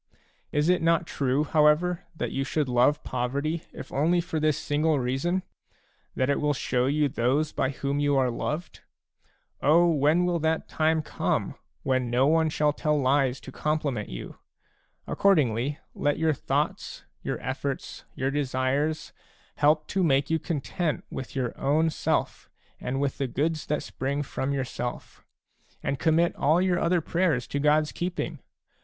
Is it not true, however, that you should love poverty, if only for this single reason, — that it will show you those by whom you are loved ? O when will that time come, when no one shall tell lies to compliment you ! Accordingly, let your thoughts, your efForts, your desires, help to make you content with your own self and with the goods that spring from yourself ; and commit all your other prayers to God's keeping